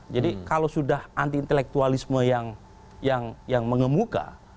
jadi kalau sudah anti intelektualisme yang mengemuka